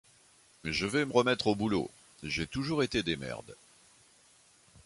Je vais me remettre au boulot, j’ai toujours été démerde.